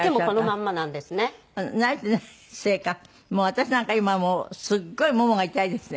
私なんか今もうすっごいももが痛いですね。